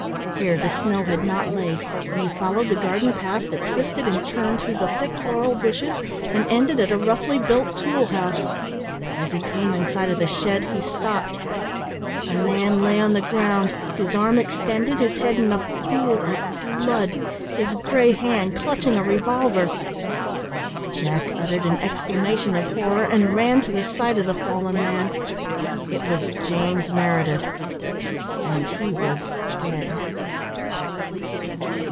Here the snow had not laid, and he followed the garden path that twisted and turned through the thick laurel bushes and ended at a roughly built tool house. As he came in sight of the shed he stopped. A man lay on the ground, his arm extended, his head in a pool of blood, his grey hand clutching a revolver. Jack uttered an exclamation of horror and ran to the side of the fallen man. It was James Meredith, and he was dead.